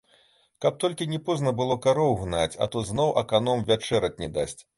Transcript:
Каб толькі не позна было кароў гнаць, а то зноў аканом вячэраць не дасць.